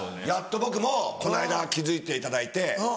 やっと僕もこの間気付いていただいて。